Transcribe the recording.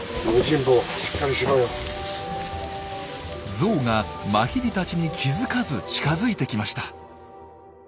ゾウがマヒリたちに気付かず近づいてきました。